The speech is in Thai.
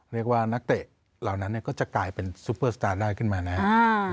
นักเตะเหล่านั้นก็จะกลายเป็นซุปเปอร์สตาร์ได้ขึ้นมานะครับ